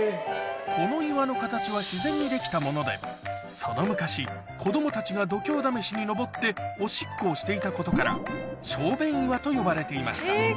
この岩の形は自然にできたものでその昔子供たちが度胸試しに登っておしっこをしていたことから小便岩と呼ばれていました